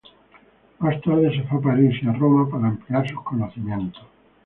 Más tarde se fue a París y a Roma para ampliar sus conocimientos.